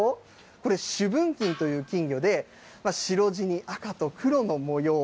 これ朱文金という金魚で、白地に赤と黒の模様。